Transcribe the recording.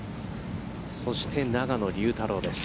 そして、永野竜太郎です。